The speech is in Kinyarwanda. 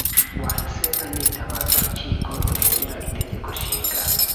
wahise anitabaza Urukiko rurengera Itegeko Nshinga